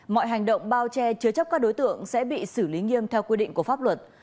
mọi hành động bao che chứa chấp các đối tượng sẽ bị xử lý nghiêm theo quy định của pháp luật